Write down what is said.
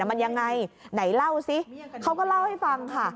มันยังไงไหนเล่าสิเขาก็เล่าให้ฟังค่ะ